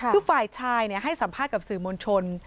ทุกฝ่ายชายเนี่ยให้สัมภาษณ์กับสื่อมวลชน